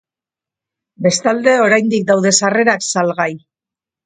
Bestalde, oraindik daude sarrerak salgai.